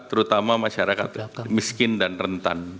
terutama masyarakat miskin dan rentan